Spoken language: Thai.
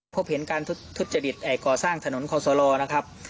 พบเห็นการทุจริตก่อสร้างถนนคอสลนะครับ